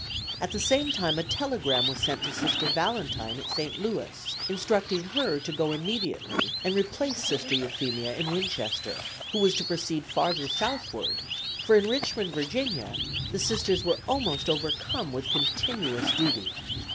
At the same time a telegram was sent to Sister Valentine at St. Louis instructing her to go immediately and replace Sister Euphemia in Winchester, who was to proceed farther southward, for in Richmond, Va., the Sisters were almost overcome with continuous duty.